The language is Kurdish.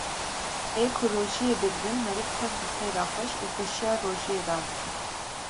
ê ku rojiyê digrin meriv tev bi xêra xweş û geşiya rojiyê radibin.